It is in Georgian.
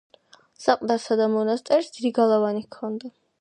საყდარსა და მონასტერს დიდი გალავანი ჰქონია.